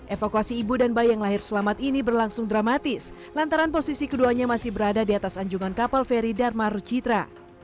evakuasi ibu dan bayi yang lahir selamat ini berlangsung dramatis lantaran posisi keduanya masih berada di atas anjungan kapal feri dharma rucitra